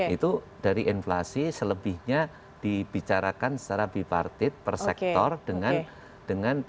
itu dari inflasi selebihnya dibicarakan secara bipartit per sektor dengan